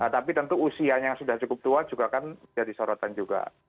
tapi tentu usianya yang sudah cukup tua juga kan jadi sorotan juga